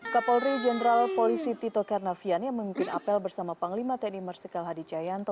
kapolri jenderal polisi tito karnavian yang memimpin apel bersama panglima tni marsikal hadi cayanto